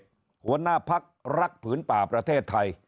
หัวหน้าพักรักผืนป่าประเทศไทย